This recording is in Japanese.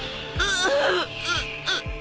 あっ。